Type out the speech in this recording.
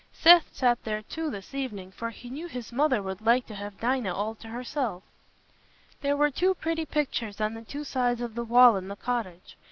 Seth sat there too this evening, for he knew his mother would like to have Dinah all to herself. There were two pretty pictures on the two sides of the wall in the cottage.